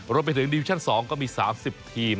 รวมไปถึงดิวิชั่น๒ก็มี๓๐ทีม